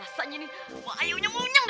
rasanya nih wah ayo nyemunyeng deh